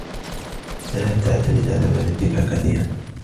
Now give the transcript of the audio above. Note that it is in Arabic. لا تعتمد على والديك كثيراً.